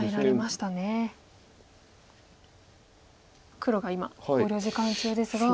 黒が今考慮時間中ですが。